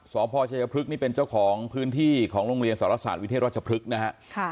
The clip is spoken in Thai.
สพชัยพฤกษ์นี่เป็นเจ้าของพื้นที่ของโรงเรียนสารศาสตร์วิเทศรัชพฤกษ์นะฮะ